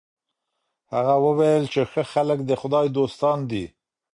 هغه وویل چي ښه خلک د خدای دوستان دي.